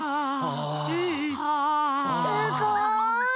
すごい！